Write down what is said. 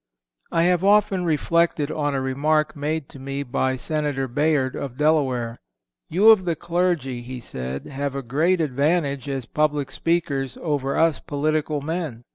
I have often reflected on a remark made to me by Senator Bayard of Delaware: "You of the clergy," he said, "have a great advantage as public speakers over us political men.